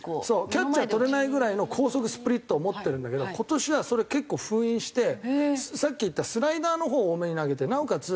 キャッチャー捕れないぐらいの高速スプリットを持ってるんだけど今年はそれ結構封印してさっき言ったスライダーのほうを多めに投げてなおかつ